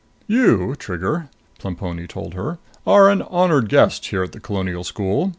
"You, Trigger," Plemponi told her, "are an honored guest here at the Colonial School.